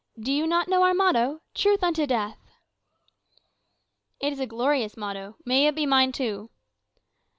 "Do you not know our motto? 'True unto death.'" "It is a glorious motto. May it be mine too."